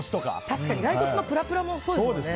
確かに骸骨のぷらぷらもそうですね。